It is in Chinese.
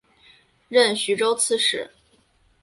任徐州刺史。